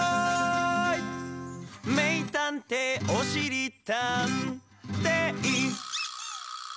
「めいたんていおしりたんてい！」